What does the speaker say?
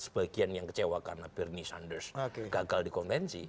sebagian yang kecewa karena bernie sanders gagal di konvensi